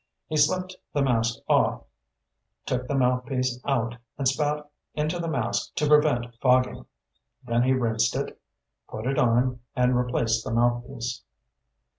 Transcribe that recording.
He slipped the mask off, took the mouthpiece out, and spat into the mask to prevent fogging, then he rinsed it, put it on, and replaced the mouthpiece.